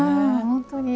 本当に。